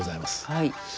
はい。